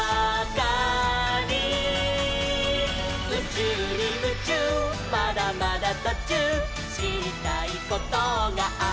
「うちゅうにムチューまだまだとちゅう」「しりたいことがあふれる」